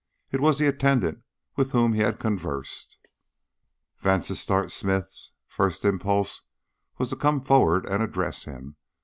It was the attendant with whom he had conversed. Vansittart Smith's first impulse was to come forward and address him.